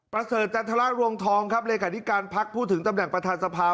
ประเสริฐจันทรรวงทองครับเลขาธิการพักพูดถึงตำแหน่งประธานสภา